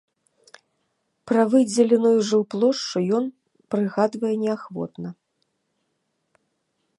Пра выдзеленую жылплошчу ён прыгадвае неахвотна.